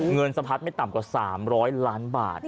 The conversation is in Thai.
เงินสะพัดไม่ต่ำกว่า๓๐๐ล้านบาท